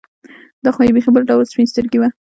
دا خو یې بېخي بل ډول سپین سترګي وه.